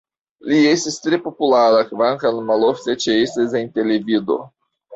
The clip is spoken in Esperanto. Li estis tre populara, kvankam malofte ĉeestis en televido.